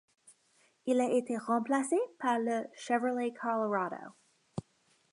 Il a été remplacé par le Chevrolet Colorado.